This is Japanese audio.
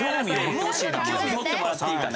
もうちょっと興味持ってもらっていいかな？